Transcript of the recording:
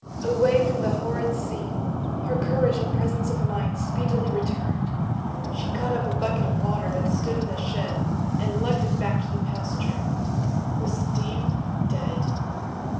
Away from the horrid scene her courage and presence of mind speedily returned. She caught up a bucket of water that stood in the shed and lugged it back to the pasture. Was Steve dead?